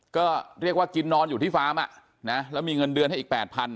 ก็เรียกว่ากินนอนอยู่ที่ฟาร์มแล้วมีเงินเดือนให้อีก๘๐๐